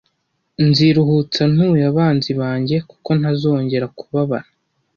nziruhutsa ntuye abanzi banjye kuko ntazongera kubabara